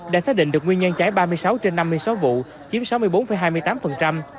đã xác định được nguyên nhân cháy ba mươi sáu trên năm mươi sáu vụ chiếm sáu mươi bốn hai mươi tám